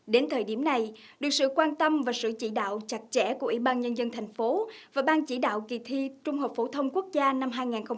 đến thời điểm này được sự quan tâm và sự chỉ đạo chặt chẽ của ủy ban nhân dân thành phố và ban chỉ đạo kỳ thi trung học phổ thông quốc gia năm hai nghìn một mươi tám